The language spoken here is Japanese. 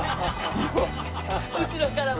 後ろからも？